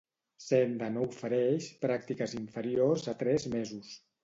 Senda no ofereix pràctiques inferiors a tres mesos.